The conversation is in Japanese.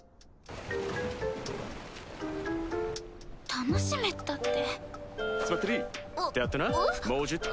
楽しめったって。